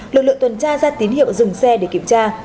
lực lượng tuần tra ra tín hiệu dừng xe để kiểm tra